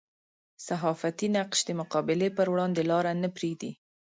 صحافتي نقش د مقابلې پر وړاندې لاره نه پرېږدي.